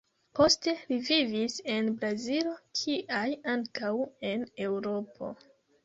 Poste, li vivis en Brazilo kiaj ankaŭ en Eŭropo.